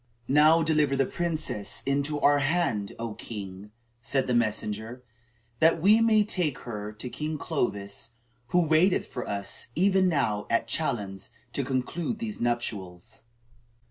"Now deliver the princess into our hand, O king," said the messenger, "that we may take her to King Clovis, who waiteth for us even now at Chalons to conclude these nuptials."